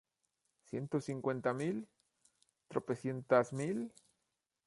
¿ ciento cincuenta mil? ¿ tropecientas mil?